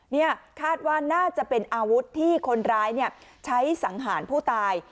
นี่คาดว่าน่าจะเป็นอาวุธที่คนร้ายใช้สังหารผู้ตาย